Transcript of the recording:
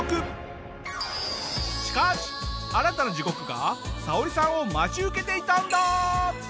しかし新たな地獄がサオリさんを待ち受けていたんだ！